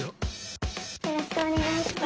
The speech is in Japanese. よろしくお願いします。